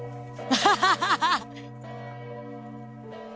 アハハハ！